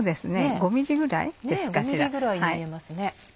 ５ｍｍぐらいに見えますね。